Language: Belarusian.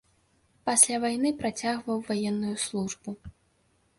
Пасля вайны працягваў ваенную службу.